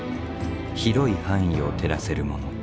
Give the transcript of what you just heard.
広い範囲を照らせるもの。